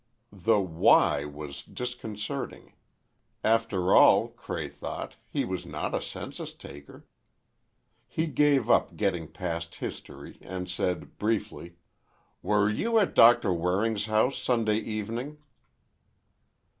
The "why" was disconcerting. After all, Cray thought, he was not a census taker. He gave up getting past history, and said, briefly, "Were you at Doctor Waring's house Sunday evening?"